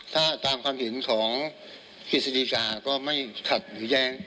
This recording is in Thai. ถ้าตามความเห็นของกฤษฎีกาก็ไม่ขัดหรือแย้ง